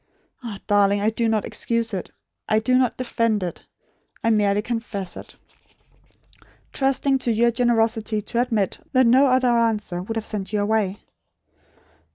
Ah, darling! I do not excuse it. I do not defend it. I merely confess it; trusting to your generosity to admit, that no other answer would have sent you away.